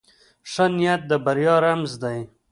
ښه نیت د بریا رمز دی.